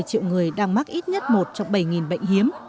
hai trăm năm mươi triệu người đang mắc ít nhất một trong bảy bệnh hiếm